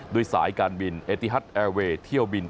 ด้วยสายการบินเอติฮัตแอร์เวย์เที่ยวบิน